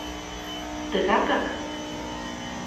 — Тыгакак?